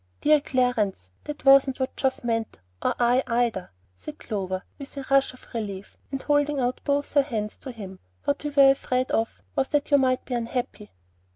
"Dear Clarence, that wasn't what Geoff meant, or I either," said Clover, with a rush of relief, and holding out both her hands to him; "what we were afraid of was that you might be unhappy."